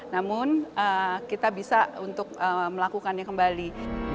namun kita bisa untuk melakukannya kembali